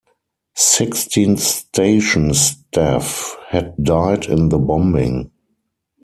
Sixteen station staff had died in the bombing.